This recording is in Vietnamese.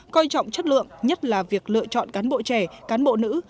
coi trọng chất lượng nhất là việc lựa chọn cán bộ trẻ cán bộ nữ